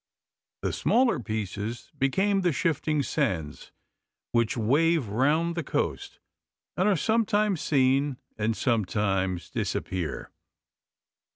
The smaller pieces became the shifting sands which wave round the coast, and are sometimes seen and sometimes disappear.